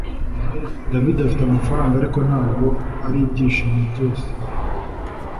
David afite amafaranga Ariko ntabwo aribyishimo byose